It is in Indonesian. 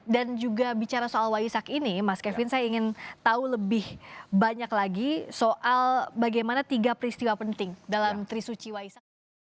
dan juga bicara soal waisak ini mas kevin saya ingin tahu lebih banyak lagi soal bagaimana tiga peristiwa penting dalam trisuci waisak